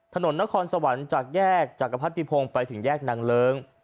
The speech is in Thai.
ถนนนครสวรรค์จากแยกจักรพรรติพงศ์ไปถึงแยกนางเลิ้ง